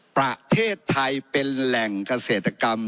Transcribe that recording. ประเทศไทยเป็นแหล่งเกษตรกรรม